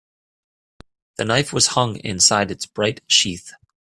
The knife was hung inside its bright sheath.